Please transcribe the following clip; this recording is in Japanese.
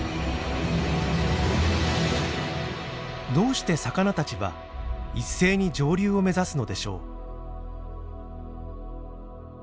どうして魚たちは一斉に上流を目指すのでしょう？